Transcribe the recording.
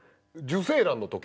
受精卵の時。